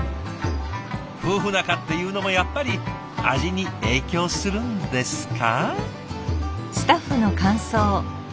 夫婦仲っていうのもやっぱり味に影響するんですか？